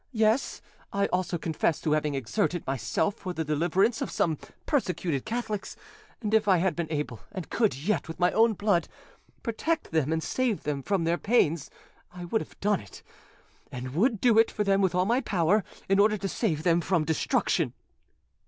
Yes, I also confess to having exerted myself for the deliverance of some persecuted Catholics, and if I had been able, and could yet, with my own blood, protect them and save them from their pains, I would have done it, and would do it for them with all my power, in order to save them from destruction."